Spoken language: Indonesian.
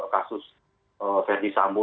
kasus verdi sambu